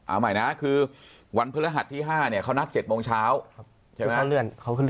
อ้าวใหม่นะคือวันพระหัสที่๕เขานัด๗โมงเช้า